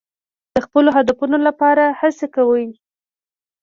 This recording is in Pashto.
د خپلو اهدافو لپاره هڅې کوئ.